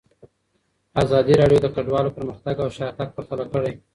ازادي راډیو د کډوالو پرمختګ او شاتګ پرتله کړی.